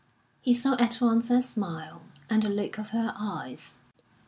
he saw at once her smile and the look of her eyes.